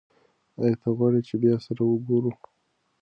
ایا ته غواړې چې بیا سره وګورو؟